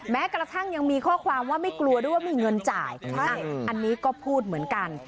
แม้กระทั่งยังมีข้อความว่าไม่กลัวด้วยว่ามีเงินจ่ายใช่อันนี้ก็พูดเหมือนกัน